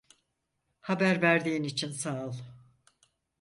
Haber verdiğin için sağ ol.